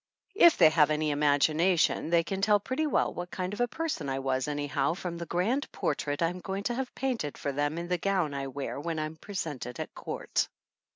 If they have any imagination they can tell pretty well what kind of a person I was anyhow from the grand portrait I'm going to have painted for them in the gown I wear when I'm presented at court.